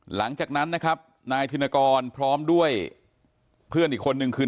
หลังจากนั้นนะครับนายธินกรพร้อมด้วยเพื่อนอีกคนนึงคือ